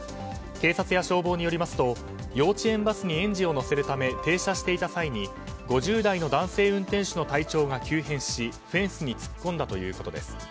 警察や消防によりますと幼稚園バスに園児を乗せるため停車していた際に５０代の男性運転手の体調が急変しフェンスに突っ込んだということです。